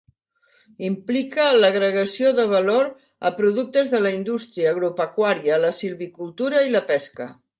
Implica l'agregació de valor a productes de la indústria agropecuària, la silvicultura i la pesca.